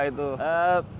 ditangani juga itu